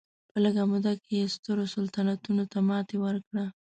په لږه موده کې یې سترو سلطنتونو ته ماتې ورکړه.